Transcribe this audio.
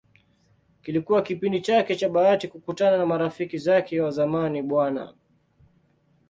Kilikuwa kipindi chake cha bahati kukutana na marafiki zake wa zamani Bw.